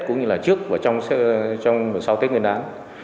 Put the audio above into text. cũng như là trước và sau tết nguyên đán